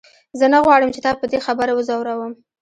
زه نه غواړم چې تا په دې خبره وځوروم.